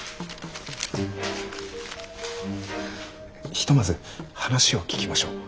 ひとまず話を聞きましょう。